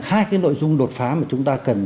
hai cái nội dung đột phá mà chúng ta cần